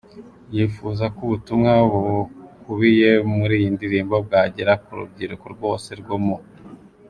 yifuza ko ubutumwa bukubiye muri iyi ndirimbo bwagera ku rubyiruko rwose rwo mu.